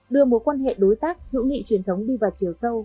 đưa mối quan hệ đối tác hữu nghị truyền thống đi vào chiều sâu